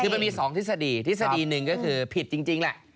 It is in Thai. คือมันมี๒ทฤษฎีทฤษฎีหนึ่งก็คือผิดจริงแหละ